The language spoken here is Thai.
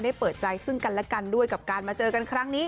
เปิดใจซึ่งกันและกันด้วยกับการมาเจอกันครั้งนี้